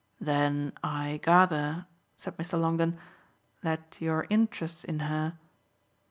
"Then I gather," said Mr. Longdon, "that your interest in her